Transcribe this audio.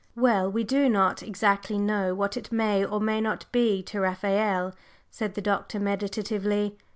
"Well, we do not exactly know what it may or may not be to Raphael," said the Doctor, meditatively.